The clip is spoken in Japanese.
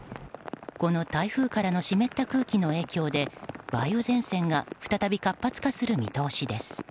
この台風からの湿った空気の影響で梅雨前線が再び活発化する見通しです。